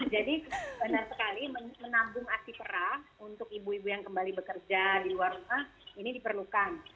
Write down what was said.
jadi benar sekali menabung aksi perah untuk ibu ibu yang kembali bekerja di luar rumah ini diperlukan